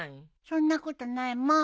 そんなことないもん。